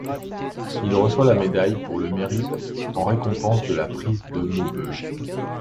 Il reçoit la médaille Pour le Mérite en récompense de la prise de Maubeuge.